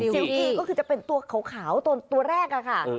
ซิลกี้ก็คือจะเป็นตัวขาวตัวแรก